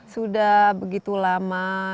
sudah begitu lama